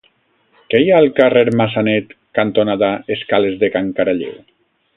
Què hi ha al carrer Massanet cantonada Escales de Can Caralleu?